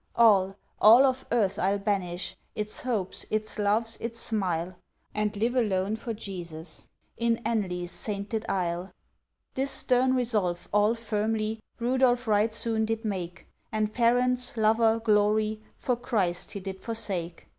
All—all of earth I'll banish, Its hopes, its loves, its smile; And live alone for Jesus, In Enlli's sainted isle." This stern resolve all firmly, Rudolph right soon did make; And parents, lover, glory, For Christ he did forsake.